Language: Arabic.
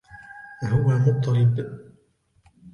هو مطرب.